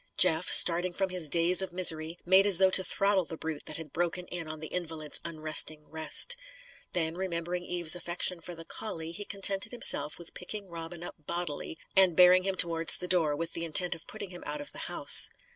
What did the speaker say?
Jeff, starting from his daze of misery, made as though to throttle the brute that had broken in on the invalid's unresting rest. Then, remembering Eve's affection for the collie, he contented himself with picking Robin up bodily and bearing him towards the door; with the intent of putting him out of the house.